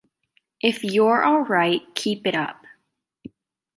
If you’re all right, keep it up.